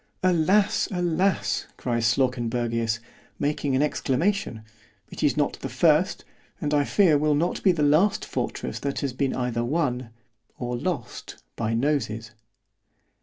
Alas! alas! cries Slawkenbergius, making an exclamation—it is not the first——and I fear will not be the last fortress that has been either won——or lost by NOSES.